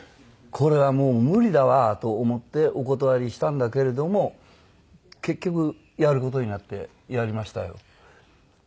これはもう無理だわと思ってお断りしたんだけれども結局やる事になってやりましたよ。